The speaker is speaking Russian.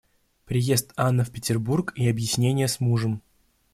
Приезд Анны в Петербург и объяснение с мужем.